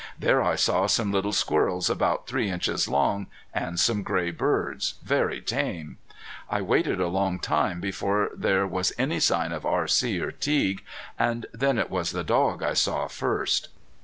There I saw some little squirrels about three inches long, and some gray birds, very tame. I waited a long time before there was any sign of R.C. or Teague, and then it was the dog I saw first.